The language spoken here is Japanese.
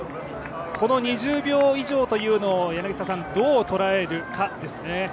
この２０秒以上というのを、どう捉えるかですね。